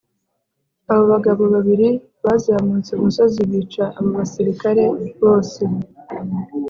Abo bagabo babiri bazamutse umusozi bica abo basirikare bose